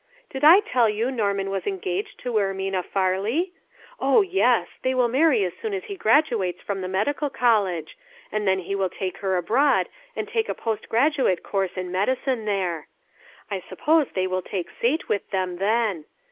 Did I tell you Norman was engaged to Ermina Farley? O yes! they will marry as soon as he graduates from the medical college, and then he will take her abroad and take a post graduate course in medicine there. I suppose they will take Sate with them then.